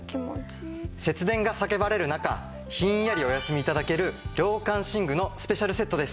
節電が叫ばれる中ひんやりお休み頂ける涼感寝具のスペシャルセットです。